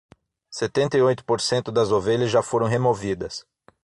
Setenta e oito por cento das ovelhas já foram removidas